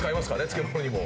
漬物にも。